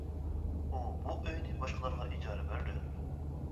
ئۇ بۇ ئۆينى باشقىلارغا ئىجارە بەردى.